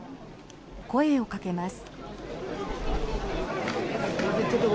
声をかけます。